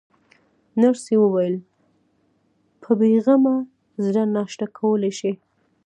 نرسې وویل: په بې غمه زړه ناشته کولای شئ.